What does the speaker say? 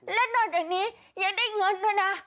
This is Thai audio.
และนอกจากนี้ยังได้เงินด้วยนะ